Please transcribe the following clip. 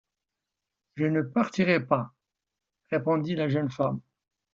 Je ne partirai pas », répondit la jeune femme.